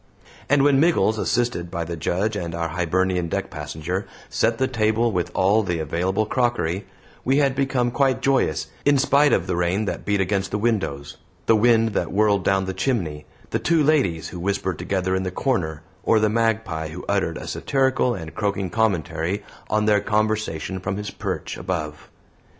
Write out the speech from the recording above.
And when Miggles, assisted by the Judge and our Hibernian "deck passenger," set the table with all the available crockery, we had become quite joyous, in spite of the rain that beat against windows, the wind that whirled down the chimney, the two ladies who whispered together in the corner, or the magpie who uttered a satirical and croaking commentary on their conversation from his perch above.